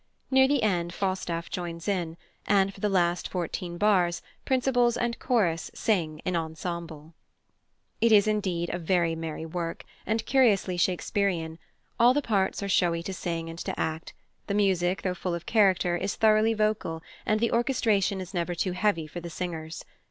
Near the end Falstaff joins in, and for the last fourteen bars principals and chorus sing an ensemble. It is indeed a very merry work, and curiously Shakespearian; all the parts are showy to sing and to act, the music, though full of character, is thoroughly vocal, and the orchestration is never too heavy for the singers.